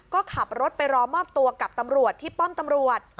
ก็ขับรถไปรอมอบตัวกับตำรวจที่ป้อมตำรวจ